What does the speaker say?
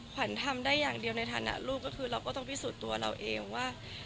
ขวัญทำได้อย่างเดียวในฐานะลูกก็คือเราก็ต้องพิสูจน์ตัวเราเองว่า